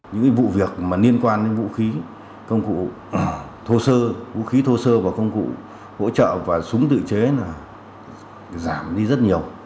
những vụ việc liên quan đến vũ khí công cụ thô sơ vũ khí thô sơ và công cụ hỗ trợ và súng tự chế là giảm đi rất nhiều